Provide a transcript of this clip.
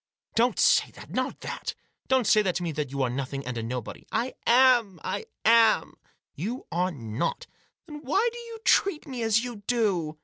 " Don't say that ; not that. Don't say that to me you are a nothing and a nobody." "Iam! Iam!" " You are not." " Then, why do you treat me as you do